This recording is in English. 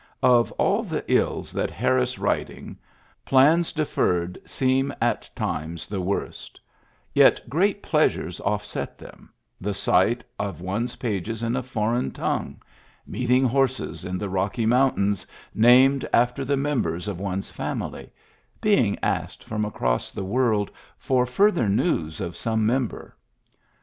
Of all the ills that harass writing, plans deferred seem at times the worst ; yet great pleasures offset them — the sight of one's pages in a foreign tongue, meeting horses in the Rocky Mountains named Digitized by VjOOQIC 22 PREFACE after the members of one's family, being asked from across the world for further news of some member.